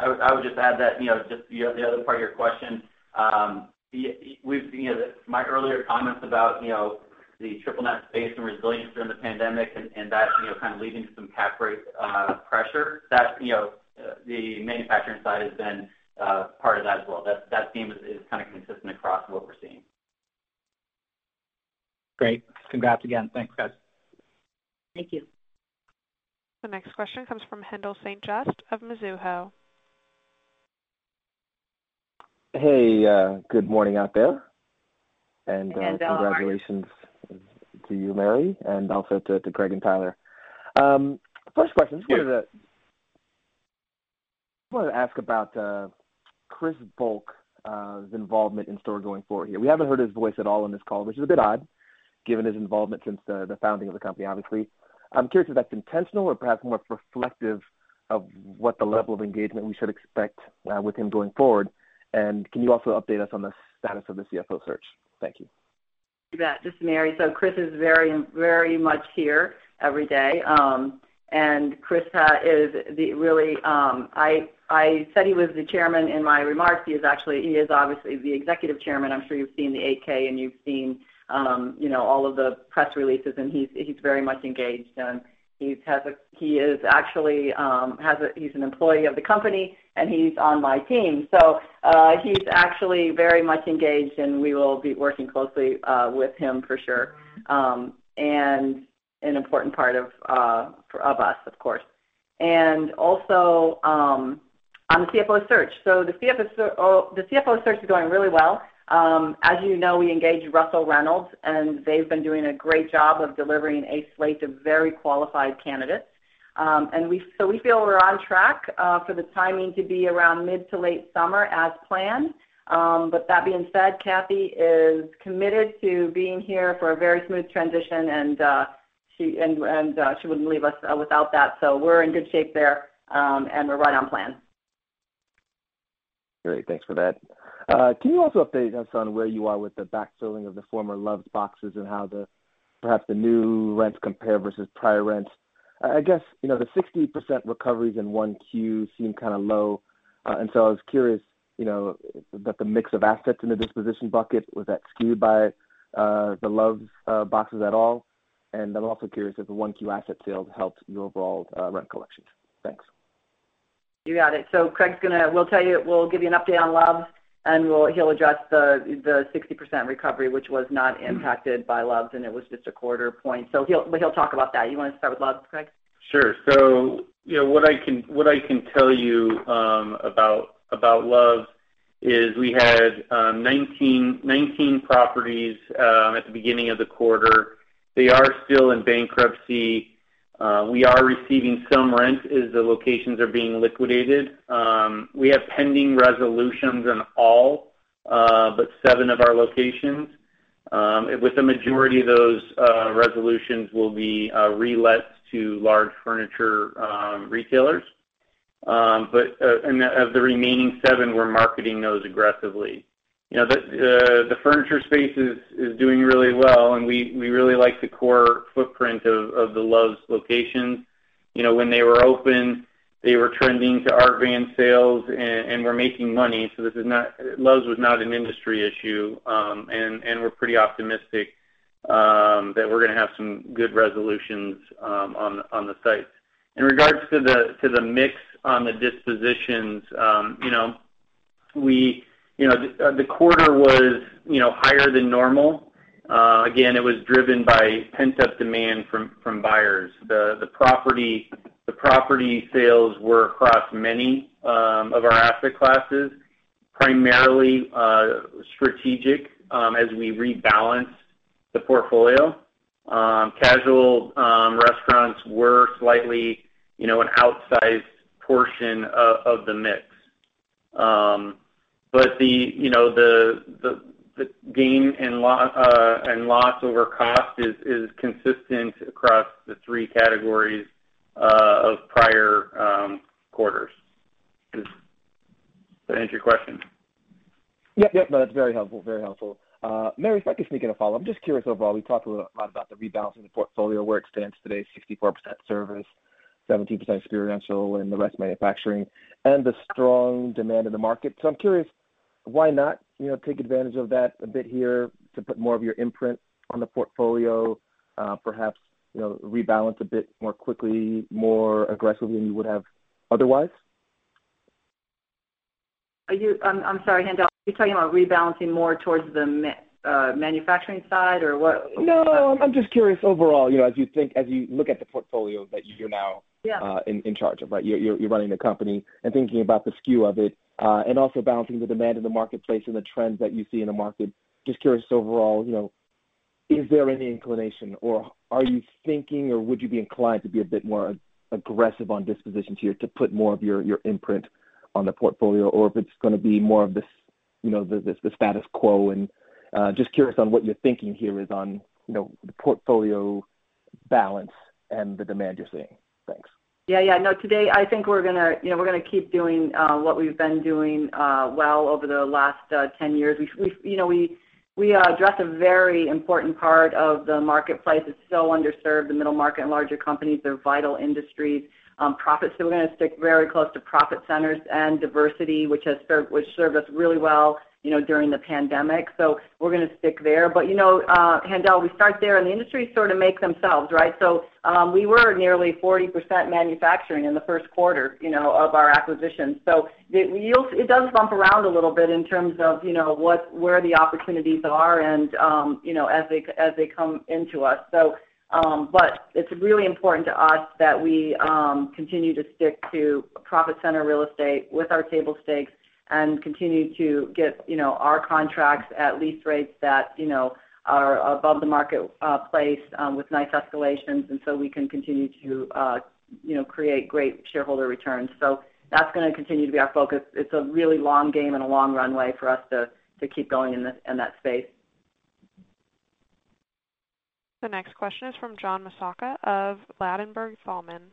I would just add that, just the other part of your question. My earlier comments about the triple net space and resilience during the pandemic and that kind of leading to some cap rate pressure. The manufacturing side has been part of that as well. That theme is kind of consistent across what we're seeing. Great. Congrats again. Thanks, guys. Thank you. The next question comes from Haendel St. Juste of Mizuho. Hey. Good morning out there. Haendel, how are you? Congratulations to you, Mary, and also to Craig and Tyler. First question. Sure. I wanted to ask about Christopher Volk's involvement in STORE going forward here. We haven't heard his voice at all on this call, which is a bit odd given his involvement since the founding of the company, obviously. I'm curious if that's intentional or perhaps more reflective of what the level of engagement we should expect with him going forward. Can you also update us on the status of the CFO search? Thank you. You bet. This is Mary. Chris is very much here every day. Chris is the really I said he was the Chairman in my remarks. He is obviously the Executive Chairman. I'm sure you've seen the 8-K and you've seen all of the press releases, and he's very much engaged, and he's an employee of the company, and he's on my team. He's actually very much engaged, and we will be working closely with him for sure. An important part of us, of course. Also, on the CFO search. The CFO search is going really well. As you know, we engaged Russell Reynolds, and they've been doing a great job of delivering a slate of very qualified candidates. We feel we're on track for the timing to be around mid to late summer as planned. That being said, Cathy is committed to being here for a very smooth transition, and she wouldn't leave us without that. We're in good shape there, and we're right on plan. Great. Thanks for that. Can you also update us on where you are with the backfilling of the former Love's boxes and how perhaps the new rents compare versus prior rents? I guess, the 60% recoveries in Q1 seem kind of low. I was curious about the mix of assets in the disposition bucket. Was that skewed by the Love's boxes at all? I'm also curious if the Q1 asset sales helped your overall rent collections. Thanks. You got it. We'll give you an update on Love's, and he'll address the 60% recovery, which was not impacted by Love's, and it was just a quarter point. He'll talk about that. You want to start with Love's, Craig? Sure. What I can tell you about Love's is we had 19 properties at the beginning of the quarter. They are still in bankruptcy. We are receiving some rent as the locations are being liquidated. We have pending resolutions on all but seven of our locations. With the majority of those resolutions will be relets to large furniture retailers. Of the remaining seven, we're marketing those aggressively. The furniture space is doing really well, and we really like the core footprint of the Love's locations. When they were open, they were trending to RV and sales and were making money. Love's was not an industry issue. We're pretty optimistic that we're going to have some good resolutions on the sites. In regards to the mix on the dispositions, the quarter was higher than normal. Again, it was driven by pent-up demand from buyers. The property sales were across many of our asset classes, primarily strategic as we rebalance the portfolio. Casual restaurants were slightly an outsized portion of the mix. The gain and loss over cost is consistent across the three categories of prior quarters. Does that answer your question? Yep. No, that's very helpful. Mary, if I could sneak in a follow-up. I'm just curious overall, we talked a lot about the rebalancing the portfolio, where it stands today, 64% service, 17% experiential, and the rest manufacturing, and the strong demand in the market. I'm curious, why not take advantage of that a bit here to put more of your imprint on the portfolio, perhaps rebalance a bit more quickly, more aggressively than you would have otherwise? I'm sorry, Haendel. Are you talking about rebalancing more towards the manufacturing side or what? No. I'm just curious overall, as you look at the portfolio that you're now. Yeah in charge of, right? You're running the company and thinking about the skew of it, and also balancing the demand in the marketplace and the trends that you see in the market. Just curious overall, is there any inclination or are you thinking, or would you be inclined to be a bit more aggressive on dispositions here to put more of your imprint on the portfolio, or if it's going to be more of the status quo? Just curious on what your thinking here is on the portfolio balance and the demand you're seeing? Thanks. Yeah. No, today, I think we're going to keep doing what we've been doing well over the last 10 years. We address a very important part of the marketplace that's so underserved. The middle market and larger companies, they're vital industries. Profits. We're going to stick very close to profit centers and diversity, which has served us really well during the pandemic. We're going to stick there. Haendel St. Juste, we start there, and the industries sort of make themselves. We were nearly 40% manufacturing in the Q1 of our acquisitions. It does bump around a little bit in terms of where the opportunities are and as they come into us. It's really important to us that we continue to stick to profit center real estate with our table stakes and continue to get our contracts at lease rates that are above the marketplace, with nice escalations, and so we can continue to create great shareholder returns. That's going to continue to be our focus. It's a really long game and a long runway for us to keep going in that space. The next question is from John Massocca of Ladenburg Thalmann.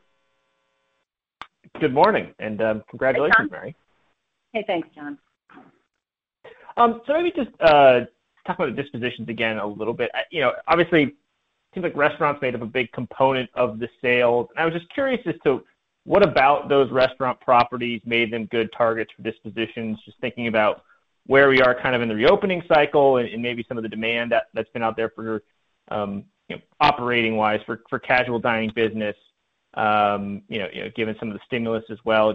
Good morning, and congratulations, Mary. Hey, John. Hey. Thanks, John. Maybe just talk about the dispositions again a little bit. Obviously, it seems like restaurants made up a big component of the sales. I was just curious as to what about those restaurant properties made them good targets for dispositions? Just thinking about where we are kind of in the reopening cycle and maybe some of the demand that's been out there for your operating wise, for casual dining business, given some of the stimulus as well.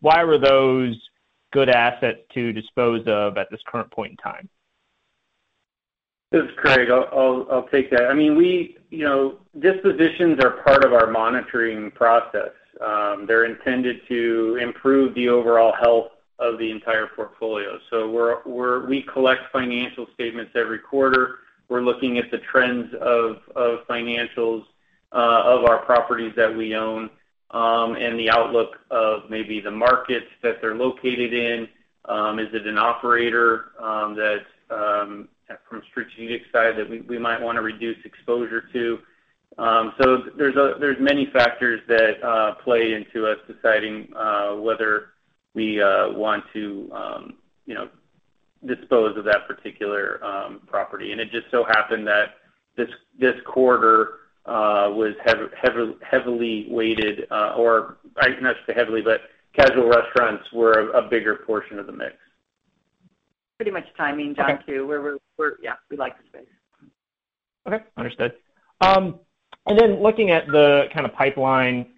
Why were those good assets to dispose of at this current point in time? This is Craig. I'll take that. Dispositions are part of our monitoring process. They're intended to improve the overall health of the entire portfolio. We collect financial statements every quarter. We're looking at the trends of financials of our properties that we own, and the outlook of maybe the markets that they're located in. Is it an operator that from a strategic side that we might want to reduce exposure to? There's many factors that play into us deciding whether we want to dispose of that particular property. It just so happened that this quarter was heavily weighted, or not heavily, but casual restaurants were a bigger portion of the mix. Pretty much timing, John, too. Okay. Yeah, we like the space. Okay. Understood. Looking at the kind of pipeline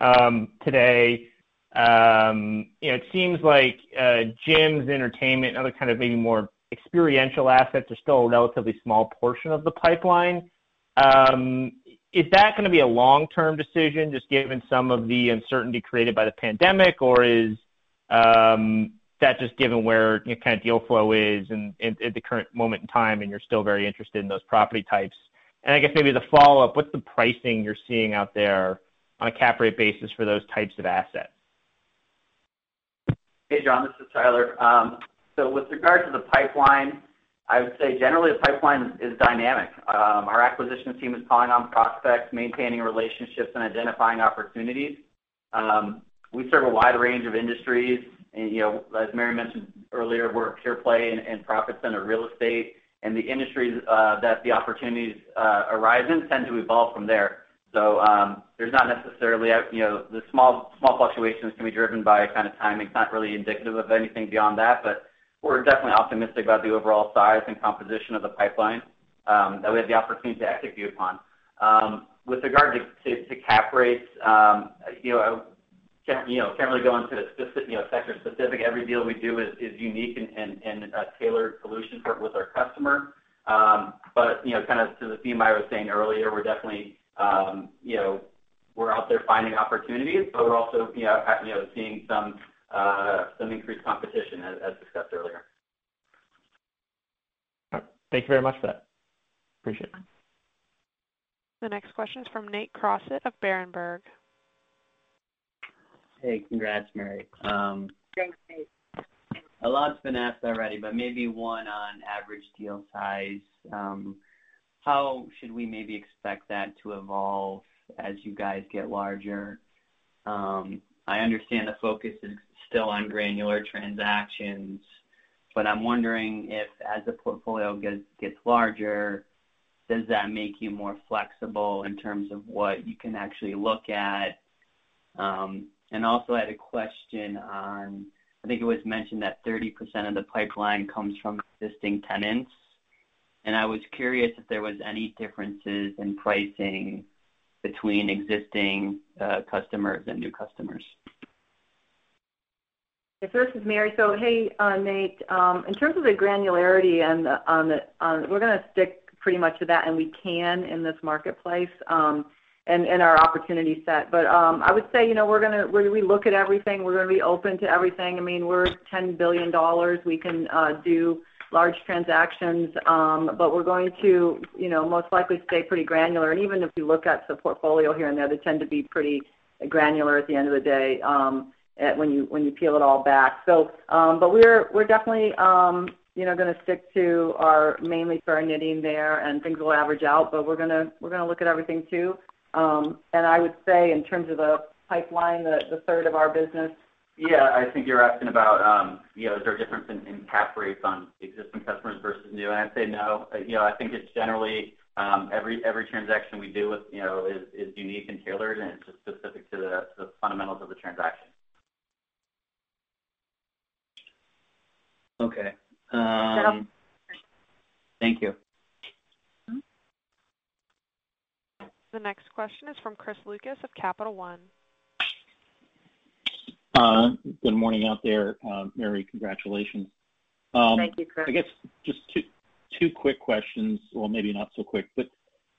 today, it seems like gyms, entertainment, and other kind of maybe more experiential assets are still a relatively small portion of the pipeline. Is that going to be a long-term decision, just given some of the uncertainty created by the pandemic, or is that just given where kind of deal flow is and at the current moment in time, and you're still very interested in those property types? I guess maybe the follow-up, what's the pricing you're seeing out there on a cap rate basis for those types of assets? Hey, John, this is Tyler. With regard to the pipeline, I would say generally the pipeline is dynamic. Our acquisitions team is calling on prospects, maintaining relationships, and identifying opportunities. We serve a wide range of industries, as Mary mentioned earlier, we're a pure play in profit center real estate. The industries that the opportunities arise in tend to evolve from there. The small fluctuations can be driven by kind of timing. It's not really indicative of anything beyond that, but we're definitely optimistic about the overall size and composition of the pipeline that we have the opportunity to execute upon. With regard to cap rates, I can't really go into sector specific. Every deal we do is unique and a tailored solution with our customer. Kind of to the theme I was saying earlier, we're definitely out there finding opportunities, but we're also seeing some increased competition as discussed earlier. All right. Thank you very much for that. Appreciate it. The next question is from Nate Crossett of Berenberg. Hey. Congrats, Mary. Thanks, Nate. A lot's been asked already, but maybe one on average deal size. How should we maybe expect that to evolve as you guys get larger? I understand the focus is still on granular transactions, but I'm wondering if as the portfolio gets larger, does that make you more flexible in terms of what you can actually look at? Also I had a question on, I think it was mentioned that 30% of the pipeline comes from existing tenants. I was curious if there was any differences in pricing between existing customers and new customers. This is Mary. Hey Nate. In terms of the granularity, we're going to stick pretty much to that, and we can in this marketplace, and in our opportunity set. I would say, we look at everything. We're going to be open to everything. We're $10 billion. We can do large transactions. We're going to most likely stay pretty granular. Even if you look at the portfolio here and there, they tend to be pretty granular at the end of the day, when you peel it all back. We're definitely going to stick to our mainly serenading there, and things will average out, but we're going to look at everything, too. I would say in terms of the pipeline. Yeah, I think you're asking about, is there a difference in cap rates on existing customers versus new? I'd say no. I think it's generally every transaction we do is unique and tailored, it's just specific to the fundamentals of the transaction. Okay. Thank you. The next question is from Chris Lucas of Capital One. Good morning out there. Mary, congratulations. Thank you, Chris. I guess just two quick questions. Well, maybe not so quick, but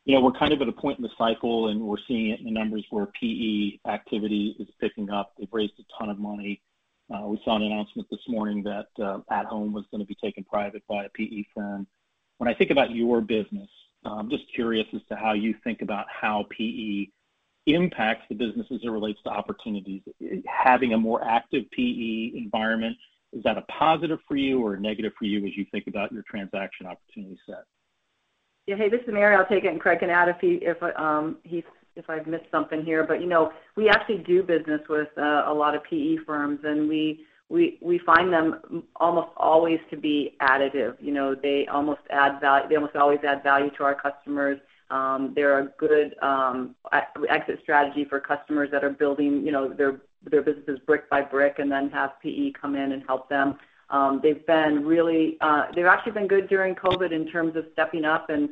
we're kind of at a point in the cycle, and we're seeing it in the numbers where PE activity is picking up. They've raised a ton of money. We saw an announcement this morning that At Home was going to be taken private by a PE firm. When I think about your business, I'm just curious as to how you think about how PE impacts the business as it relates to opportunities. Having a more active PE environment, is that a positive for you or a negative for you as you think about your transaction opportunity set? Yeah. Hey, this is Mary. I'll take it, and Craig can add if I've missed something here. We actually do business with a lot of PE firms, and we find them almost always to be additive. They almost always add value to our customers. They're a good exit strategy for customers that are building their businesses brick by brick and then have PE come in and help them. They've actually been good during COVID in terms of stepping up and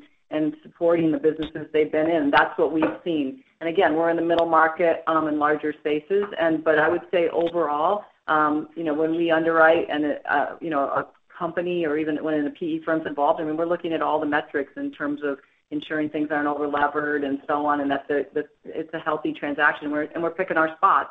supporting the businesses they've been in. That's what we've seen. Again, we're in the middle market in larger spaces. I would say overall, when we underwrite a company or even when a PE firm's involved, we're looking at all the metrics in terms of ensuring things aren't over-levered and so on, and that it's a healthy transaction. We're picking our spots.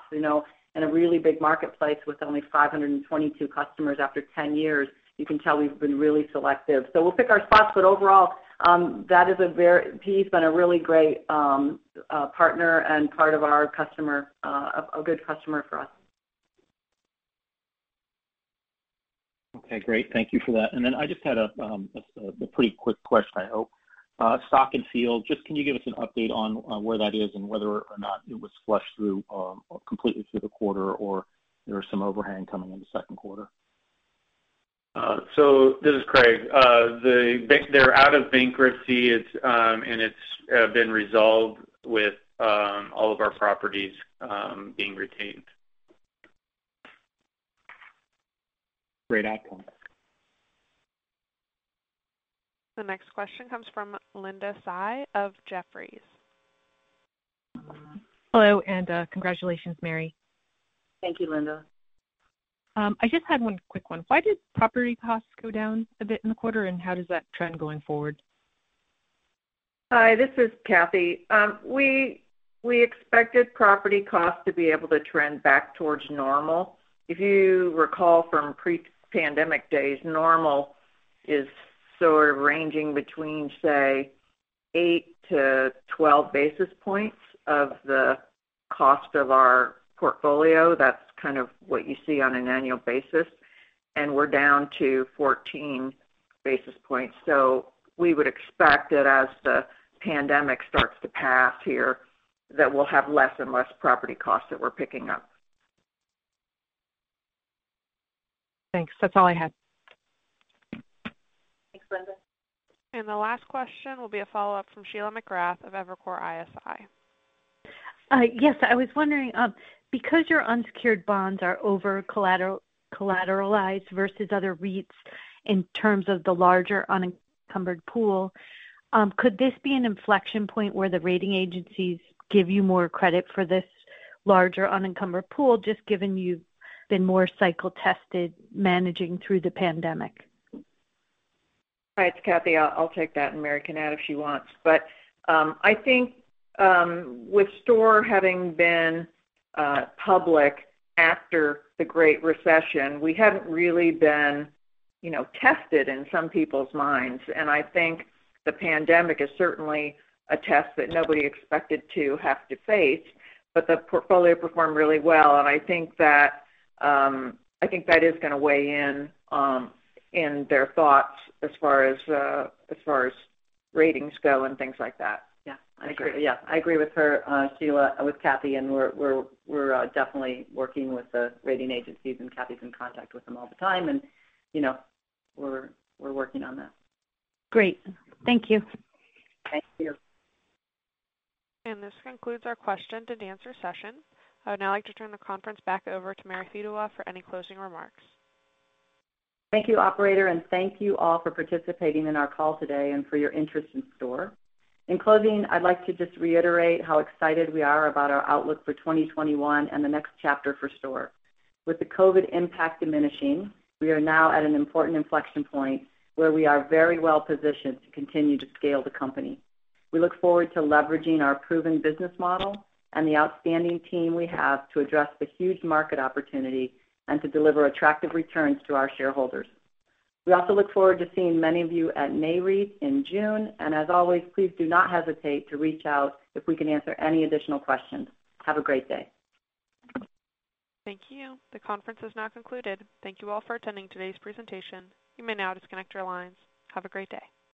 In a really big marketplace with only 522 customers after 10 years, you can tell we've been really selective. We'll pick our spots, but overall, PE's been a really great partner and a good customer for us. Okay, great. Thank you for that. I just had a pretty quick question, I hope. Stock+Field, just can you give us an update on where that is and whether or not it was flushed completely through the quarter, or there was some overhang coming in the Q2? This is Craig. They're out of bankruptcy, and it's been resolved with all of our properties being retained. Great. Excellent. The next question comes from Linda Tsai of Jefferies. Hello, and congratulations, Mary. Thank you, Linda. I just had one quick one. Why did property costs go down a bit in the quarter, and how does that trend going forward? Hi, this is Cathy. We expected property costs to be able to trend back towards normal. If you recall from pre-pandemic days, normal is sort of ranging between, say, 8-12 basis points of the cost of our portfolio. That's kind of what you see on an annual basis. We're down to 14 basis points. We would expect that as the pandemic starts to pass here, that we'll have less and less property costs that we're picking up. Thanks. That's all I had. Thanks, Linda. The last question will be a follow-up from Sheila McGrath of Evercore ISI. Yes. I was wondering, because your unsecured bonds are over-collateralized versus other REITs in terms of the larger unencumbered pool, could this be an inflection point where the rating agencies give you more credit for this larger unencumbered pool, just given you've been more cycle tested managing through the pandemic? Hi, it's Cathy. I'll take that, and Mary can add if she wants. I think with STORE having been public after the Great Recession, we haven't really been tested in some people's minds. I think the pandemic is certainly a test that nobody expected to have to face, but the portfolio performed really well, and I think that is going to weigh in in their thoughts as far as ratings go and things like that. Yeah. I agree. Yeah. I agree with her, Sheila, with Cathy, and we're definitely working with the rating agencies, and Cathy's in contact with them all the time, and we're working on that. Great. Thank you. Thank you. This concludes our question-and-answer session. I would now like to turn the conference back over to Mary Fedewa for any closing remarks. Thank you, operator, and thank you all for participating in our call today and for your interest in STORE. In closing, I'd like to just reiterate how excited we are about our outlook for 2021 and the next chapter for STORE. With the COVID impact diminishing, we are now at an important inflection point where we are very well positioned to continue to scale the company. We look forward to leveraging our proven business model and the outstanding team we have to address the huge market opportunity and to deliver attractive returns to our shareholders. We also look forward to seeing many of you at Nareit in June, and as always, please do not hesitate to reach out if we can answer any additional questions. Have a great day. Thank you. The conference is now concluded. Thank you all for attending today's presentation. You may now disconnect your lines. Have a great day.